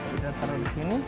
kita taruh di sini